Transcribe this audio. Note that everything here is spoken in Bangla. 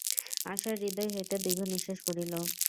আশার হৃদয় হইতে দীর্ঘনিশ্বাস পড়িল।